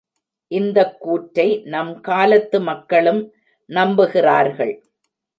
இந்தக் கூற்றை நம் காலத்து மக்களும் நம்புகிறார்கள்!